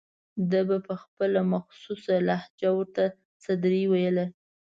ده به په خپله مخصوصه لهجه ورته سدرۍ ویله.